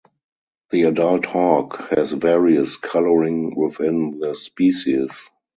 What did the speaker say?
The adult hawk has various colouring within the species.